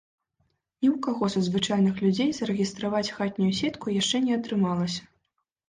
Ні ў каго са звычайных людзей зарэгістраваць хатнюю сетку яшчэ не атрымалася.